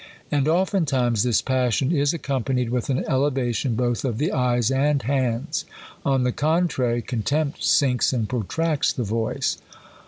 And oftentimes this passion is ac companied with an elevation both of the eyes and hands. On the contrary, contempt sinks and protracts the voice.